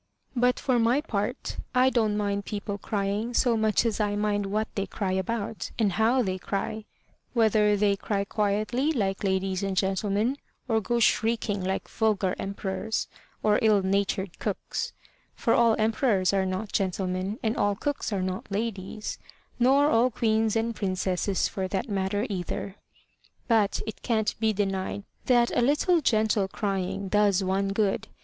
But for my part, I don't mind people crying so much as I mind what they cry about, and how they cry whether they cry quietly like ladies and gentlemen, or go shrieking like vulgar emperors, or ill natured cooks; for all emperors are not gentlemen, and all cooks are not ladies nor all queens and princesses for that matter, either. But it can't be denied that a little gentle crying does one good.